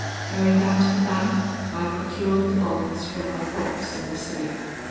"Going down to the bank, I procured the bonds from my box in the safe.